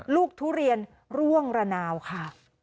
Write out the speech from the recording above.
ทุเรียนร่วงระนาวค่ะ